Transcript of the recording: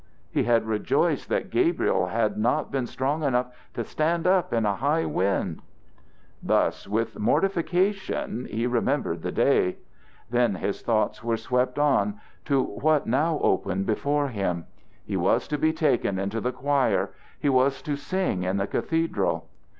He had rejoiced that Gabriel had not been strong enough to stand up in a high wind! Thus with mortification he remembered the day. Then his thoughts were swept on to what now opened before him: he was to be taken into the choir, he was to sing in the cathedral.